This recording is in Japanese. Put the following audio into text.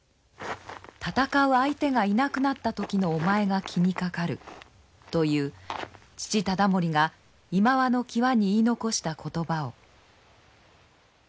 「戦う相手がいなくなった時のお前が気にかかる」という父忠盛がいまわの際に言い残した言葉を。